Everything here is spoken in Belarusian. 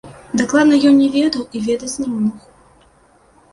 Дакладна ён не ведаў і ведаць не мог.